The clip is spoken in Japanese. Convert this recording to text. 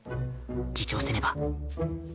自重せねば